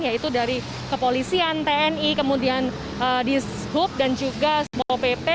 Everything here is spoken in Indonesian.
yaitu dari kepolisian tni kemudian dishub dan juga bopp